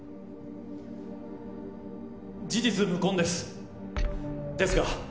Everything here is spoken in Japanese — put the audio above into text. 事実無根です。ですが。